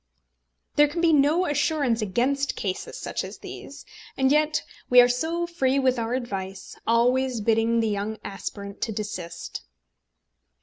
_" There can be no assurance against cases such as these; and yet we are so free with our advice, always bidding the young aspirant to desist.